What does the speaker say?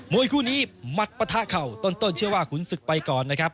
วยคู่นี้มัดปะทะเข่าต้นเชื่อว่าขุนศึกไปก่อนนะครับ